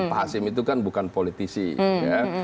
pak hasim itu kan bukan politisi ya